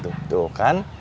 tuh tuh kan